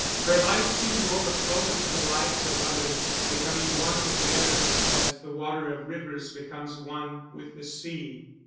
Her life seemed to overflow into the lives of others, becoming one with theirs as the water of rivers becomes one with the sea.